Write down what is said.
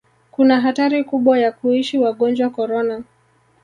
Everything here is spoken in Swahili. kuna hatari kubwa ya kuishi wagonjwa korona